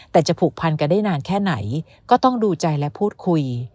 แต่จะผูกพันกันได้นานแค่ไหนก็ต้องดูใจและพูดคุย